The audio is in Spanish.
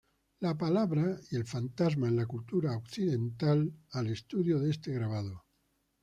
La palabra y el fantasma en la cultura occidental" al estudio de este grabado.